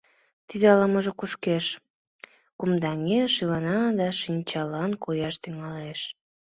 Тиде ала-можо кушкеш, кумдаҥеш, илана да шинчалан кояш тӱҥалеш.